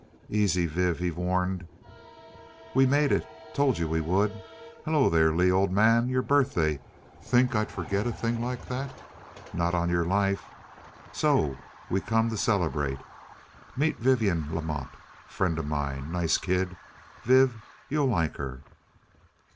"Easy, Viv," he warned. "We made it tol' you we would.... Hello there, Lee ol' man your birthday think I'd forget a thing like that, not on your life. So we come t'celebrate meet Vivian Lamotte frien' o' mine. Nice kid, Viv you'll like her."